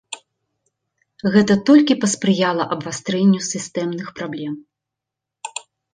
Гэта толькі паспрыяла абвастрэнню сістэмных праблем.